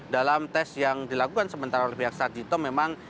dalam tes yang dilakukan sementara oleh pihak sarjito memang